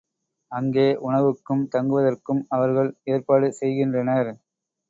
அங்கே உணவுக்கும் தங்குவதற்கும் அவர்கள் ஏற்பாடு செய்கின்றனர்.